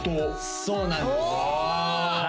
そうなんですおお！